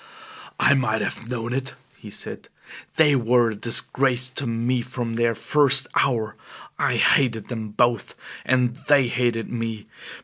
"I might have known it," he said. "They were a disgrace to me from their first hour! I hated them both; and they hated me!